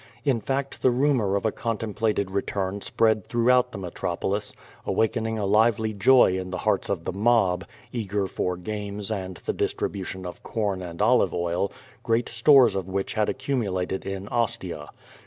In fact the rumor of a contemplated re turn spread throughout the metropolis, awakening a lively joy in the hearts of the mob, eager for games and the distribu tion of corn and olive oil, great stores of which had accumu lated in Ostia.